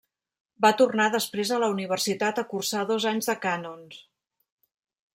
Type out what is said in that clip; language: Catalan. Va tornar després a la universitat a cursar dos anys de cànons.